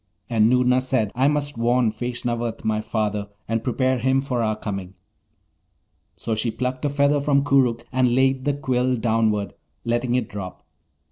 And Noorna said, 'I must warn Feshnavat, my father, and prepare him for our coming.' So she plucked a feather from Koorookh and laid the quill downward, letting it drop.